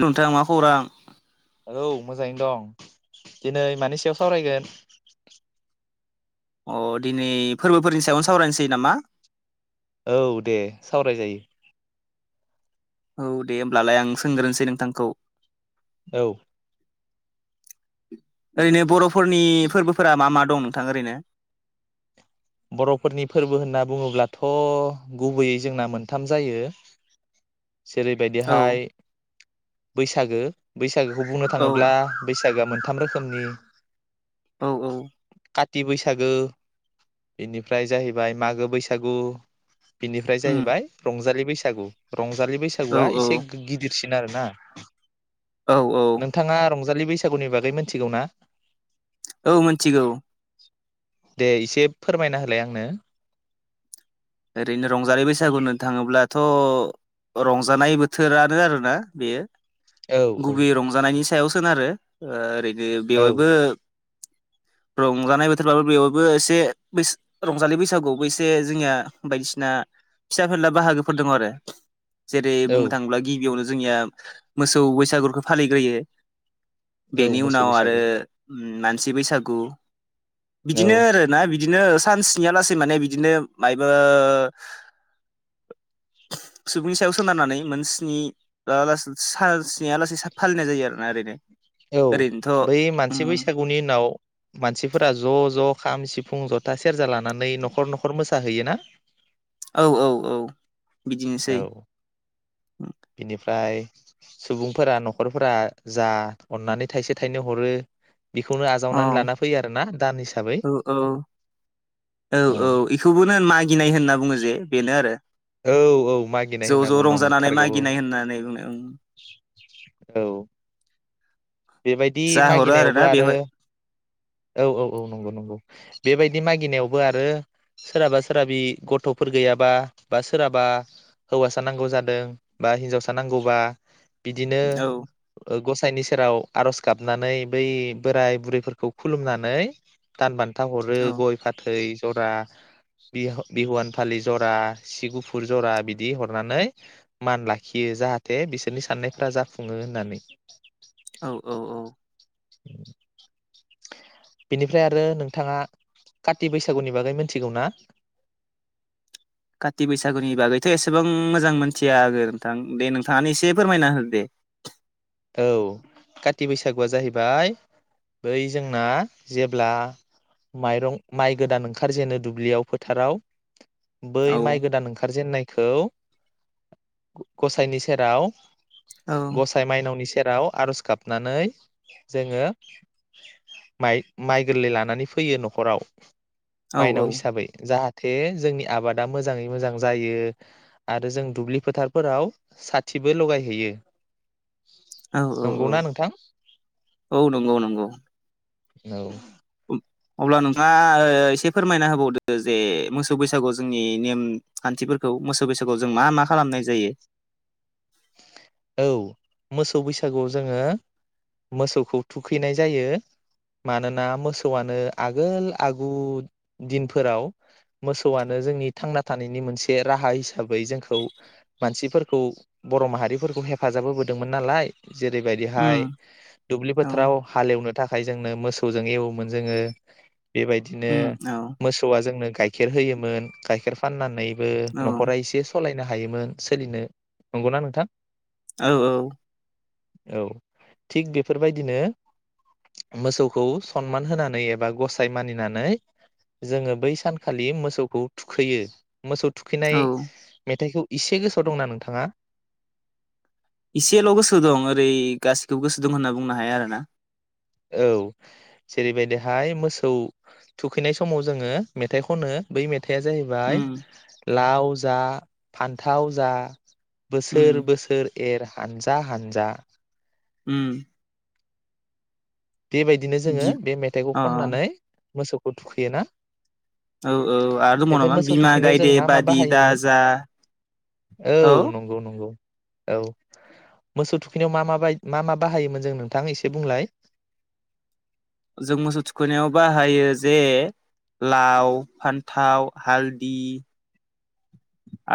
नोंथा मा खौरां? औ मोजाङैनो दं दिनै मानि सायाव सावरायगोन? अ दिनै फोरबोफोरनि सायावनो सावरायनोसै नामा औ दे सावरायजायो। औ दे होमब्लालाय आं सोंग्रोनसै नोंथांखौ औ ओरैनो बर'फोरनि फोरबोफोरा मा मा दं नोंथां ओरैनो बर'फोरनि फोरबो होनना बुङोब्लाथ' गुबैयै जोंना मोनथाम जायो। औ जेरैबायदिहाय बैसागो बैसाग बैसागोखौ बुंनो औ थाङोब्ला बैसागोआ मोनथाम रोखोमनि औ औ काथि बैसागो बेनिफ्राय जाहैबाय मागो बैसागु बिनिफ्राय उम जाहैबाय रंजालि बैसाग सागु रंजालि औ बैसागुआ औ एसे गिदिर सिन आरो ना औ औ नोंथाङा रं जालि बैसागुनि बागै मिथिगौ ना? औ मिथिगौ दे इसे फोरमायना होलाय आंनो ‌ ओरैनो रंजालि बैसागु होन थाङोब्लाथ' रंजानाय बोथोरानो आरोना बेयो औ गुबै औ रंजानायनि सायावसो आरो ओरै बे औ बेवायबो रंजानाय बोथोरबो बेवबो एसे रंजालि बैसागुबो एसे जोंनिया बायदिसिना फिसाफोरला बाहागोफोर दङ' आरो जेरै बुंनो औ थाङोब्ला गिबियावनो जों जोंनिया मोसौ बैसागुखौ फालिग्रोयो औ बेनि मोसौ उनाव आरो बैसागो उम मानसि बैसागु बिदिनो औ आरोना बिदिनो सान स्निलासेै माने बिदिनो माय ओ सुबुंनि सायाव सोनारनानै मोन स्नि ओ सा स्नि आ लागै फालिनाय जायो आरोना ओरैनो औ ओरैनोथ' बै उम मानसि बैसागुनि उनाव मानसिफोरा ज ज खाम सिफुं जथा सेरजा लानानै नखर नखर मोसाहैय ना औ औ औ औ बिदिनोसै बिनिफ ओय सुबुंफोरा नखरफोरा जा अननानै थाइसे थाइनै हरो बेखौनो औ आजावनानै लाना फैयो आरोना दान हिसाबै औ औ औ औ एखौबोनो मागिनाय होनना बुङो जे बेनो आरो औ औ ज' मागिनाय होनना ज' बुंङो रंजानानै नथारगौ मागिनाय होननानै बुंनो औ औ बेबायदि जा हरो मागिनायावबो आरोना आरो बेवहाय औ औ औ नंगौ नंगौ बेबायदि मागिनायावबो आरो सोरहाबा सोरहाबि गथफोर गैयाबा बा सोरहाबा हौवासा नांगौ जादों बा हिनजावसा नांगौबा बिदिनो औ ओ गसाय साइनि सेराव आर'ज गाबनानै बै बोराइ- बुरैफोरखौ खुलुमनानै दानबान थाहरो औ गय-फाथै जरा, बिहु-बिहुवान फालि जरा, सि गुफुर जरा बिदि हरनानै मान लाखियो, जाहाथे बिसोरनि साननायफ्रा जाफुङो होननानै। औ औ औ [inaudible] बिनिफ्राय आरो नोंथाङा काति बैसागुनि बागै मोनथिगौ ना? काति बैसागुनि बागैथ' एसेबां मोजां मोनथिया आङो नोंथां, दे नोंथाङानो एसे फोरमायना हो दे। औ काति बैसागुआ जाहैबाय बै जोंना जेब्ला माइरं माइ गोदान ओंखार जेनो दुब्लियाव, फोथाराव बै औ माइ गोदान ओंखारजेननाय खौ गसाइनि सेराव औ गसाइ माइनावनि सेराव आर'ज गाबनानै जोङो माइ-माइ गोरलै लानानै फैयो न'खराव। औ माइनाव हिसाबै जाहा थे जोंनि आबादा मोजाङै मोजां जायो आरो जों दुब्लि फोथारफोराव साथिबो लगायहैयो। औ औ औ नंगौना नोंथां औ नंगौ नंगौ औ उम अब्ला नोंथाङा ओ एसे फोरमायना होबावदो जे मोसौ बैसागु जोंनि नेम-खान्थिफोरखौ मोसौ बैसागु जों मा मा खालामनाय जायो? औ मोसौ बैसागुआव जोङो मोसौखौ थुखैनाय जायो। मानोना मोसौआनो आगोल आगु दिनफोराव मोसौआनो जोंनि थांना थानायनि मोनसे राहा हिसाबै जोंखौ मानसिफोरखौ बर' माहारि फोरफोरखौ हेफाजाब होबोदोंमोन नालाय जेरैबायदिहाय उम दुब्लि औ फोथाराव हालेवनो थाखा य जोंनो मोसौजों एवोमोन जोङो बेबायदिनो उम औ मोसौआ जोंनो गाइखेर होयोमोन, गाइखेर फाननानै बे औ न'खरा एसे सालायनो हा हायोमोन सोलिनो। नंगौना नोंथां? औ औ औ थिग बेफोरबायदिनो मोसौखौ सनमान होनानै एबा गसाइ मानिनानै जोङो बै सानखालि मोसौखौ थुखैयो। मोसौ थुखैनाय औ मेथाइखौ इसे गोसोआव दंना नोंथाङा? इसेल' गोसोआव दं ओरै गासिखौबो गोसो दं होनना बुंनो हाया आरोना। औ जेरैबायदिहाय मोसौ थुखैनाय समाव जोङो मेथाइ खनो बै मे थाया‌ जाहैबाय उम लाव जा, फान्थाव जा बोसोर उम बोसोर एर हानजा हानजा उम बेबायदिनो जोङो बि बे मेथाइखौ अ खननानै मोसौखौ थुखैयो ना? औ औ आरो दंबावो नामा बिमा थुखैनायाव गायदे जों मा मा बादि बाहायोमोन दाजा, औ नंगौ नंगौ औ मोसौ थुखैनायाव मा मा बाय मा मा बाहायोमोन जों नोंथां एसे बुंलाय। जों मोसौ थुखैनायाव बाहायो जे लाव फान्थाव हालददि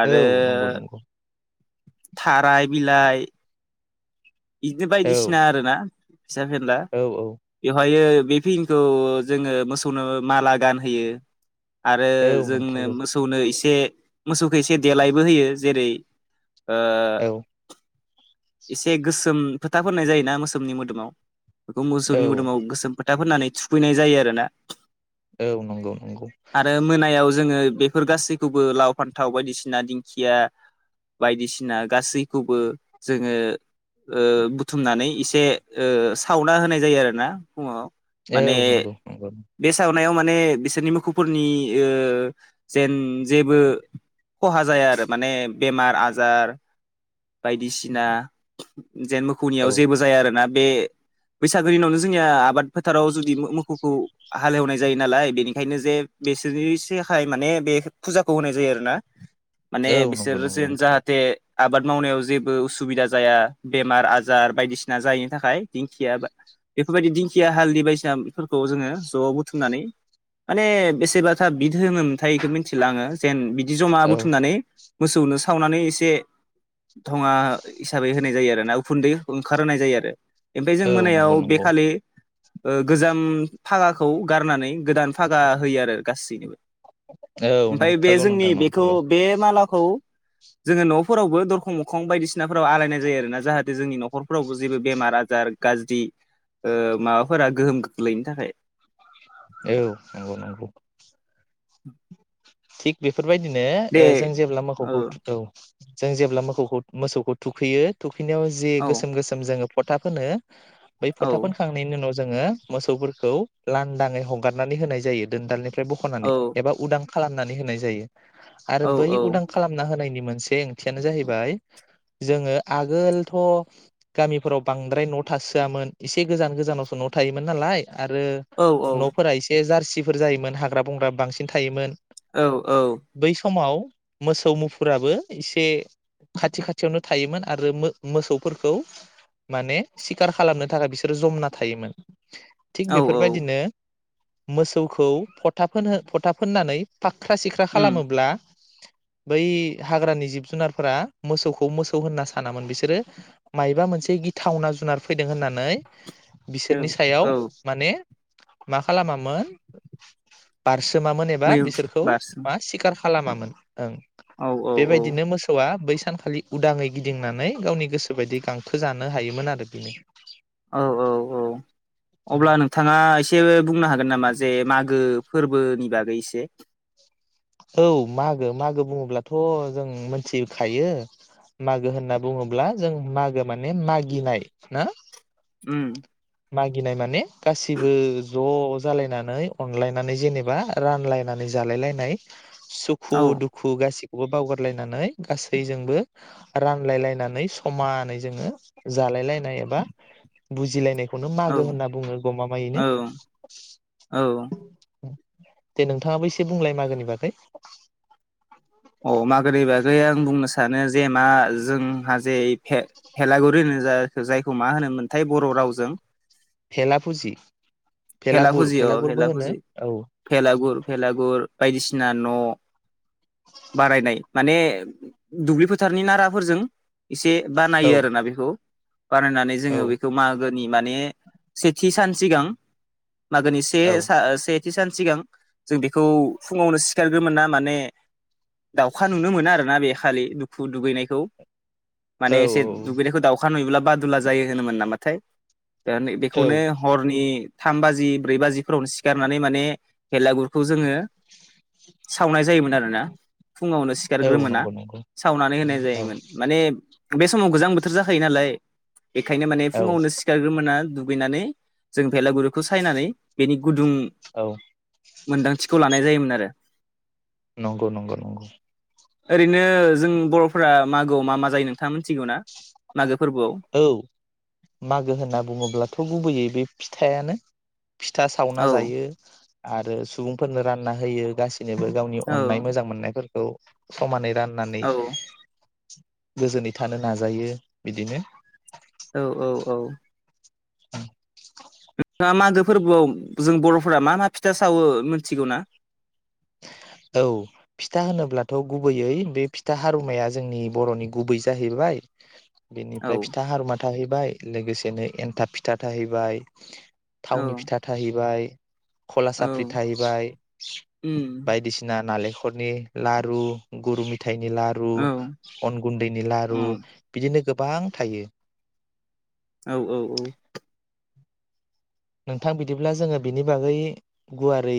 आरो औ नंगौ नंगौ थाराय बिलाइ इदिनो औ बायदिसिना आरो ना। फिसा फेनला औ औ बेवहायो बे फिमखौ जोङो मोसौनो माला गानहोयो आरो औ जोंनो नंथारगौ मोसौनो एसे मोसौखौ एसे देलायबो होयो जेरै ओ औ एसे सोम फोथा फनाय जायोना मोसोमनि मोदोमाव औ मोसौनि मोदोमाव गोसोम फो था फुनानै थुखैनाय जायो आरोना औ नंगौ नंगौ आरो मोनायाव जोङो बेफोर गासैखौबो लाव फान्थाव बायदिसिना दिंखिया बायदिसिना गासैखौबो जोङो ओ बुथुमनानै एसे सावना होनाय जायो आरोना फुङाव औ नंगौ नंगौ। मायाव माने बिसोरनि मुखुफोरनि ओ जेन जेबो खहा जाया आरो माने बेमार आजार बायदिसिना जेन मोखौनियाव औ जेबो जाया आरोना बे बैसागोनि उनावनो जोंनिया आबाद फोथाराव जुदि मोखौखौ हालेवनाय जायो नालाय बेनिखायनो जे बिसोरनि साय माने बे फुजाखौ होनाय जायो आरोना माने औ बिसोर नंगौ नंगौ जेन नंथारगौ जाहाथे आबाद मावनायाव जेबो उसुबिदा जाया बेमार आजार बायदिसिना जायिनि थाखाय दिंखिया बेफोरबायदि दिंखिया हालदि बायसिनाफोरखौ जोङो ज' बुथुमनानै माने बेसेबाथा बिदहोनोमोनथाय बेखौ मिथिला आङो जेन जमा औ बुथुमनानै मोसौनो सावनानै एसे धङा हिसाबै हो नाय जायो आरो ना उखुन्दै ओंखार होनाय जायो आरो ओमफाय जों औ मोनायाव नंगौ बे नंगौ खालि ओ गोजाम फागाखौ गारनानै गोदान फागा होयो आरो गासैनोबो। औ ओमफाय बे नंथारगौ जोंनि नोंथां बेखौ नंथारगौ बे मालाखौ जोङो न'फोरावबो दरखं मोखं बायदिसिनाफोराव आलाय जायो आरोना जाहाथे जोंनि न'खर फोरावबो जेबो बेमार आजार गाज्रि ओ माबाफोरा गोहोम खोख्लैनो थाखाय। औ नंगौ नंगौ। [inaudible] थिक बेफोर बायदिनो दे ओ जों जेब्ला औ मोखौखौ थुख औ जों जेब्ला मोखौखौ मोसौखौ थुखैयो थुख खैनायाव जे औ गोसोम गोसोम जोङो फोथा फोनो बै औ फोथा फोनखांनायनि उनाव जोङो मोसौफोरखौ लांदाङै हगारनानै होनाय जायो दोनदालनि औ बख'नानै एबा उदां खालामनानै होनाय जायो। आरो औ बै उदां खालामना होनायनि मोनसे ओंथियानो जाहैबाय जोङो आगोलथ' गामिफोराव बांद्राय न' थासोआमोन एसे गोजान गोजानावसो न' थायोमोन नालाय। आरो औ न'फोरा एसे जारसि फोर जायोमोन हाग्रा बंग्रा बांसिन थायोमोन। औ औ बै समाव मोसौ मुफुराबो इसे खाथि खाथियावनो थायोमोन आरो मो- मोसौफोरखौ माने सिखार खालामनो थाखाय बिसोरो जमना थायोमोन। थिग औ बेफोर औ बायदिनो मोसौखौ फथा फोनहो फथा फोननानै फाख्रा सिख्रा उम खालामोब्ला बै हाग्रानि जिब जुनारफोरा मोसौखौ मोसौ होनना सानामोन। बिसोरो मायबा मोनसे गिथावना जुनार फैदों होननानै औ बिसोरनि सायाव औ माने मा खालामामोन बारसो मामोन एबा मै बिसोर औ बारसोम मा सिगाब खालामामोन ओं औ औ औ बेबायदिनो मोसौआ बैस सानखालि उदाङै गिदिंनानै गावनि गोसो बायदि गांखो जानो हायोमोन आरो बेनो औ औ औ अब्ला नोंथाङा एसे बुंनो हा गोन नामा जे मागो फोरबोनि बागै एसे औ मागो मागो बुङोब्लाथ' जों मोनथिखायो मागो होनना बुङोब्ला जों मागो माने मागिनाय ना उम मागिनाय माने गासिबो ज' जालायनानै अनलायनानै जेनेबा रानलायनानै जालाय लायनाय सुखु औ दुखु गासि खौबो बावगारलायनानै गासैबो रानलाय लायनानै समानै जोङो जालायनाय एबा बुजिलायनायखौ नो औ मागो होनना बुङो गमामायैनो औ औ उम दे नोंथाङाबो एसे बुंलाय मागोनि बागै अ मागोनि बाग बे आं बुंनो सानो जे मा जोंहा जे भे भेलागुरि होनो जाय जायखौ मा होनोमोनथाय बर' रावजों भेला फुजि भेला भेलागुर फुजि अ भेलागुरबो भेला होनो फुजि औ भेलागुर भेलागुर बायदिसिना न' बारायनाय माने दुब्लि फोथारनि नाराफोरजों एसे बानायो औ आरो ना बिखौ बानायनानै औ जोङो बेखौ मागो नि माने सेथि सान सिगां मागोनि से सा से थि सान सिगां जों बेखौ फुङावनो सिखारग्रोमोना माने दाउखा नुनो मोना आरोना बे खालि दुखु दुगैनायखौ माने औ एसे दुगैनायखौ दाउखा नुयोब्ला बादुला जायो होनोमोन नामाथाय दा नै औ बेखौनो हरनि थाम बाजि ब्रै बाजिफोरावनो सिखारनानै माने भेरलागुरखौ जोङो सावनाय जायोमोन आरोना फुङावनो औ सिखारग्रोमोना नंगौ नंगौ सावनानै होनाय औ जायोमोन माने बे समाव गोजां बोथोर जाखायो नालाय बेखायनो माने औ फुङावनो सिखारग्रोमोना दुगैनानै जों भेलागुर खौ सायनानै बिनि गुदुं औ मोनदांथिखौ लानाय जायोमोन आरो नंगौ नंगौ नंगौ ओरैनो जों बर'फोरा मागोआव मा मा जायो नोंथाङा मिथिगौ ना मागो फोरबोआव औ मागो होनना बुङोब्लाथ' गुबैयै बे फिथा थायानो फिथा सावना औ जायो आरो सुबुंफोरनो रानना होयो गासिब नैबो गावनि औ अन्नाय मोजां मोननायफोरखौ समानै रान नानै औ गोजोनै थानो नाजायो बिदिनो औ औ नोंथाङा मागो फोरबोआव जों बर'फोरा मा मा फिथा सावो मोनथिगौ ना औ फिथा होनोब्लाथ' गुबैयै बे फिथा हारुमाया जोंनि बर'नि गुबै जाहैबाय औ बिनिफ्राय फिथा हारुमा थाहैबाय लोगोसेनो एनथाब फिथा थाहैबाय औ थावनि फिथा थाहैबाय खला औ साफ्रि थाहैबाय उम नालेंखरनि लारु गुरु मेथाइ थाइनि लारु औ अन गुन्दैनि लारु उम बिदिनो गो गोबां थायो औ औ औ नोंथां बिदिब्ला जोङो बिनि बागै गुवारै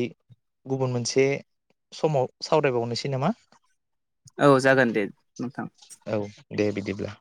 गुबुन मोनसे समाव सावरायबावनोसै नामा औ जागोन दे नोंथां औ दे बिदिब्ला